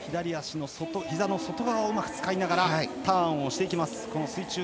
ひざの外側をうまく使いながらターンをしていきます。